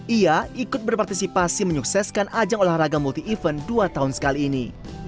ia ikut berpartisipasi menyukseskan ajang olahraga multi event dua tahun sekali ini